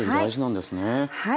はい。